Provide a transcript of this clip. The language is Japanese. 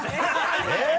えっ？